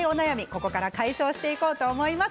ここから解消していこうと思います。